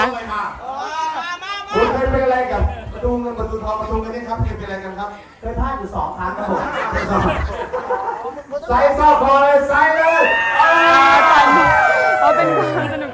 แต่ว่าจะเก็บกันกันครับได้เท่าไหร่ถึง๒ทางครับผม